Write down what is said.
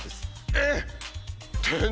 えっ！